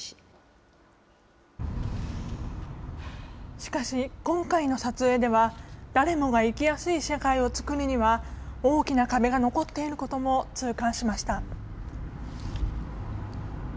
しかし、今回の撮影では、誰もが生きやすい社会を作るには、大きな壁が残っていることも痛感しました。